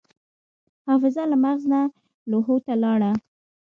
حافظه له مغز نه لوحو ته لاړه.